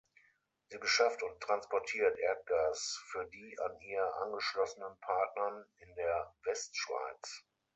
Sie beschafft und transportiert Erdgas für die an ihr angeschlossenen Partnern in der Westschweiz.